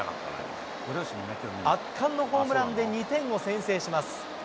圧巻のホームランで２点を先制します。